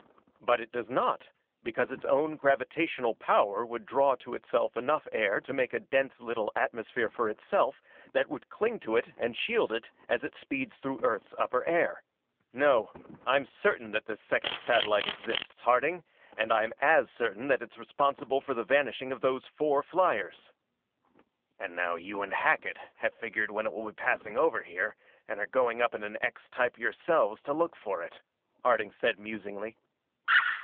But it does not, because its own gravitational power would draw to itself enough air to make a dense little atmosphere for itself that would cling to it and shield it as it speeds through Earth's upper air. No, I'm certain that this second satellite exists, Harding, and I'm as certain that it's responsible for the vanishing of those four fliers." "And now you and Hackett have figured when it will be passing over here and are going up in an X type yourselves to look for it," Harding said musingly.